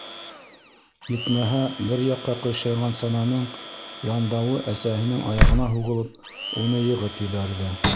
Етмәһә, бер яҡҡа ҡыйшайған сананың яндауы әсәһенең аяғына һуғылып, уны йығып ебәрҙе.